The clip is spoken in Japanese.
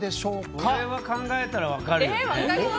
これは考えたら分かるよね。